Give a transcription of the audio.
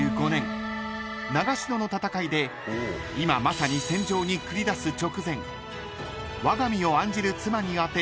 ［今まさに戦場に繰り出す直前わが身を案じる妻に宛て